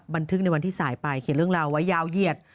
บันทึกในวันที่สายไปเขียนเรื่องราวไว้ยาวเหยียด